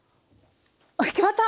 決まった！